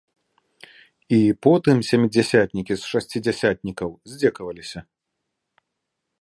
І потым сямідзясятнікі з шасцідзясятнікаў здзекаваліся.